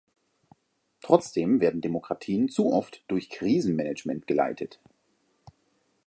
Trotzdem werden Demokratien zu oft durch Krisenmanagement geleitet.